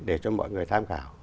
để cho mọi người tham khảo